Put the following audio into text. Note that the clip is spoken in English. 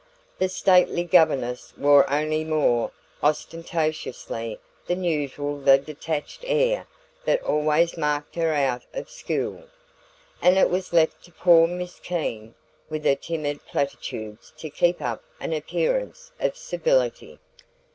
The stately governess wore only more ostentatiously than usual the detached air that always marked her out of school; and it was left to poor Miss Keene, with her timid platitudes, to keep up an appearance of civility.